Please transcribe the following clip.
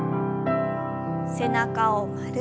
背中を丸く。